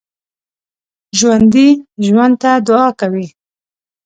ژوندي ژوند ته دعا کوي